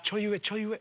ちょい上！